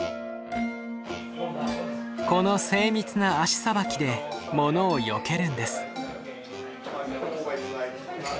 この精密な足さばきで物をよけるんです。